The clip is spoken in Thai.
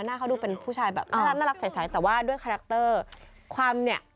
หน้าเขาดูเป็นผู้ชายแบบน่ารักใสแต่ว่าด้วยคาแรคเตอร์ความเนี่ย